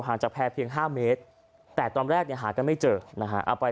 ห่างจากแผ่เพียง๕เมตรแต่ตอนแรกหาก็ไม่เจอนะฮะเอาไป